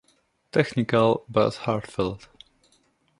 Technical but heartfelt.